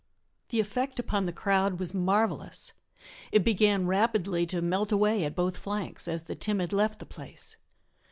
The effect upon the crowd was marvelous. It began rapidly to melt away at both flanks, as the timid left the place.